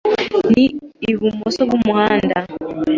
Ni ibumoso bwumuhanda.